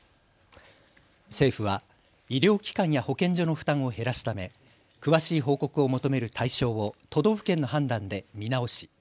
政府は医療機関や保健所の負担を減らすため詳しい報告を求める対象を都道府県の判断で見直し